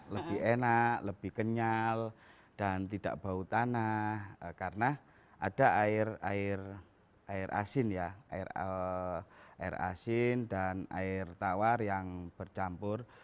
lebih enak lebih kenyal dan tidak bau tanah karena ada air asin ya air asin dan air tawar yang bercampur